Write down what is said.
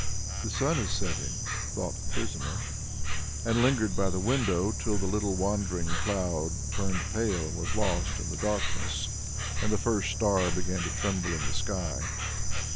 "The sun is setting," thought the prisoner, and lingered by the window till the little wandering cloud turned pale and was lost in the darkness, and the first star began to tremble in the sky.